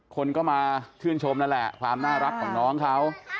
คนก็มาชื่นชมนั่นแหละความน่ารักของน้องเขา